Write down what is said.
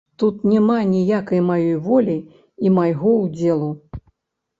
Тут няма ніякай маёй волі і майго ўдзелу.